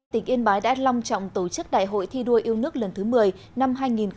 tỉnh yên bái đã long trọng tổ chức đại hội thi đua yêu nước lần thứ một mươi năm hai nghìn hai mươi